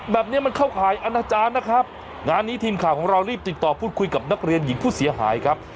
แบบนี้มันเข้าข่ายอนาจารย์นะครับงานนี้ทีมข่าวของเรารีบติดต่อพูดคุยกับนักเรียนหญิงผู้เสียหายครับ